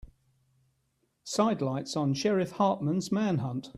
Sidelights on Sheriff Hartman's manhunt.